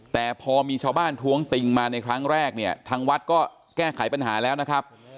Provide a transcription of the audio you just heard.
แต่พอมีชาวบ้านท้วงติงมาในครั้งแรกเนี่ยทางวัดก็แก้ไขปัญหาแล้วนะครับ